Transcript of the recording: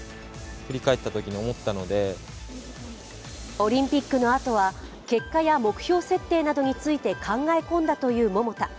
オリンピックのあとは結果や目標設定などについて考え込んだという桃田。